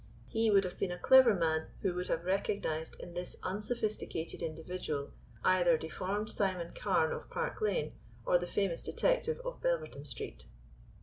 He would have been a clever man who would have recognized in this unsophisticated individual either deformed Simon Carne of Park Lane, or the famous detective of Belverton Street.